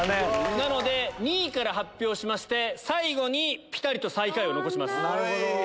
なので２位から発表しまして最後にピタリと最下位を残します。